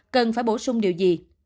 cần phải bổ sung điều gì